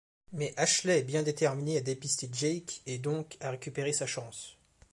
Mais Ashley est bien déterminée à dépister Jake et donc à récupérer sa chance.